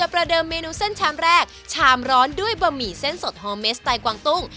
เพิ่มแปะฉามร้อนด้วยบะหมี่เส้นสดฮอบเมสไตร์กวางตุ้ง